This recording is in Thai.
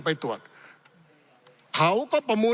ปี๑เกณฑ์ทหารแสน๒